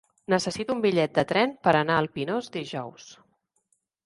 Necessito un bitllet de tren per anar al Pinós dijous.